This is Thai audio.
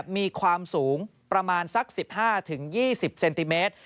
มีความสูงประมาณสัก๑๕๒๐เซนติเมตร